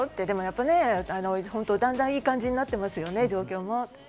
でも、やっぱりね、だんだんいい感じになってますよね、状況も。